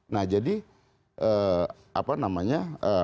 nah jadi apa namanya